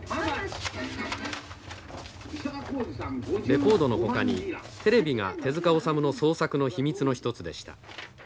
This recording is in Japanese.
レコードのほかにテレビが手塚治虫の創作の秘密の一つでした。